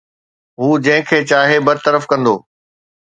هو جنهن کي چاهي برطرف ڪندو